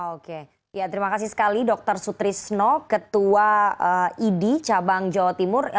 oke ya terima kasih sekali dr sutrisno ketua idi cabang jawa timur